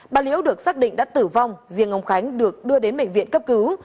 bà liễu được xác định đã tử vong riêng ông khánh được đưa đến bệnh viện cấp cứu